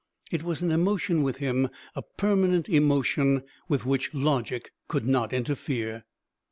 It was an emotion with him, a permanent emotion with which logic could not interfere.